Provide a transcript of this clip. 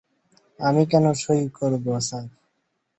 আমি কেন সঁই করব, স্যার?